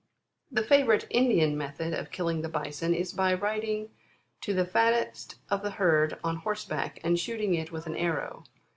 19. " The favourite Indian method of killing the Bison, is by riding to the fattest of the herd on horseback, and shooting it with an arrow.